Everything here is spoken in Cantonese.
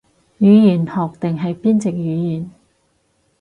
語言學定係邊隻語言